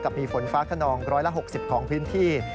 กับมีฝนฟ้าขนอง๑๖๐องศาเซียสของพื้นที่